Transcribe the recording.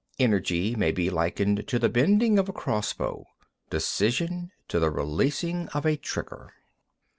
15. Energy may be likened to the bending of a crossbow; decision, to the releasing of the trigger.